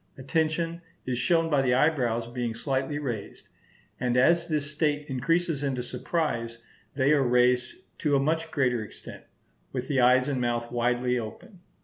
Attention is shown by the eyebrows being slightly raised; and as this state increases into surprise, they are raised to a much greater extent, with the eyes and mouth widely open.